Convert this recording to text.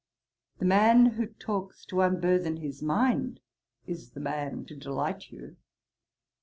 The man who talks to unburthen his mind is the man to delight you.